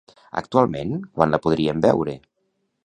Actualment, quan la podríem veure?